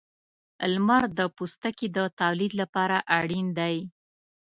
• لمر د پوستکي د تولید لپاره اړین دی.